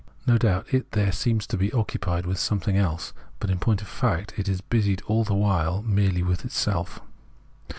No doubt it there seems to be occupied with something else, but in point of fact it is busied all the while merely with itself.